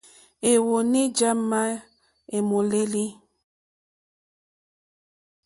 Íwɔ̌ní já má èmòlêlì.